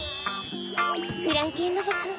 フランケンロボくん